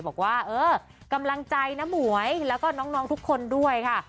บอกว่าเออกำลังใจน้าหมวยแล้วก็น้องทุกคนด้วยค่ะ